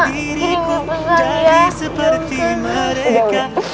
kini mau pesan ya